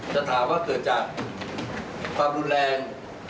จะถามว่าเกิดจากความรุนแรง